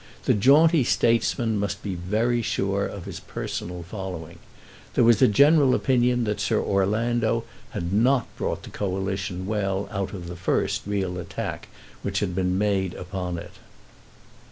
The jaunty statesman must be very sure of his personal following. There was a general opinion that Sir Orlando had not brought the Coalition well out of the first real attack which had been made upon it.